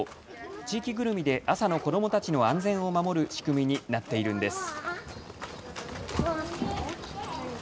地域ぐるみで朝の子どもたちの安全を守る仕組みになっているんです。